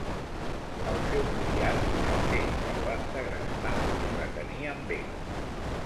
Al seu criat també el van segrestar i retenir amb ell.